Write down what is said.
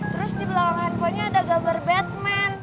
terus di belakang handphonenya ada gambar batman